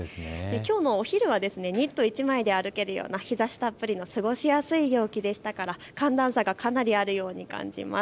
きょうのお昼はニット１枚で歩けるような日ざしたっぷりの過ごしやすい陽気でしたから、寒暖差がかなりあるように感じられます。